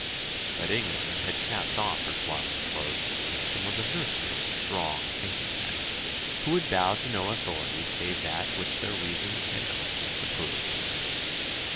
But England had cast off her swaddling clothes, and was a nursery of strong, thinking men, who would bow to no authority save that which their reason and conscience approved.